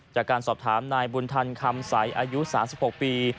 จากการสอบถามนายบุญธรรมคำใสอายุ๓๖ปี